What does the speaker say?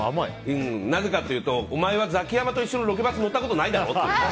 なぜかというと、お前はザキヤマと一緒にロケバスに乗ったことないだろって。